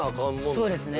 そうですね。